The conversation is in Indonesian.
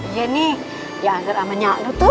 iya nih ya agak amat nyak dulu tuh